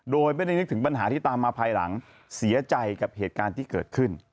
โดยไม่ได้นึกถึงปัญหาที่ตามมาภายหลังเสียใจกับเหตุการณ์ที่เกิดขึ้น